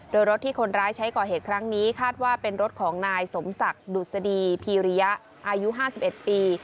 โดยรถที่คนร้ายใช้ก่อเหตุครั้งนี้คาดว่าเป็นรถของนายสมศักดิ์ดุษฎีพีริยะอายุ๕๑ปี